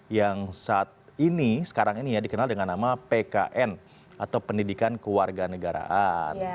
yang saat ini sekarang ini ya dikenal dengan nama pkn atau pendidikan keluarga negaraan